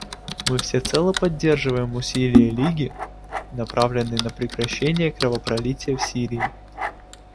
Мы всецело поддерживаем усилия Лиги, направленные на прекращение кровопролития в Сирии.